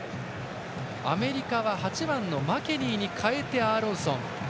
アメリカは８番、マケニーに代えてアーロンソン。